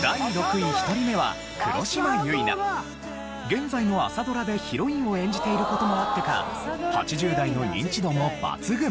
現在の朝ドラでヒロインを演じている事もあってか８０代のニンチドも抜群！